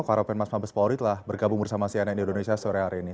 kawaran pembangunan mas mabes polri telah bergabung bersama sianet indonesia sore hari ini